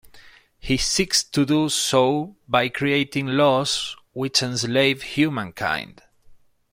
He seeks to do so by creating laws which enslave humankind.